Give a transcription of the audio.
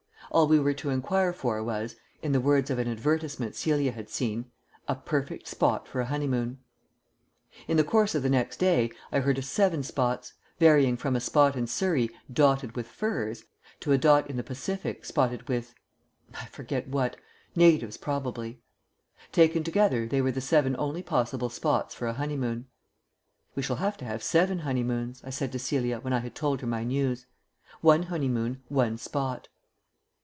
All we were to enquire for was (in the words of an advertisement Celia had seen) "a perfect spot for a honeymoon." In the course of the next day I heard of seven spots; varying from a spot in Surrey "dotted with firs," to a dot in the Pacific spotted with I forget what, natives probably. Taken together they were the seven only possible spots for a honeymoon. "We shall have to have seven honeymoons," I said to Celia when I had told her my news. "One honeymoon, one spot."